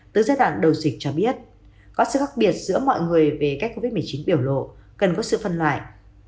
từ giai đoạn đầu dịch cho biết có sự khác biệt giữa mọi người về cách covid một mươi chín biểu lộ cần có sự phân loại